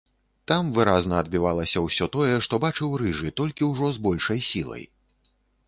Там выразна адбівалася ўсё тое, што бачыў рыжы, толькі ўжо з большай сілай.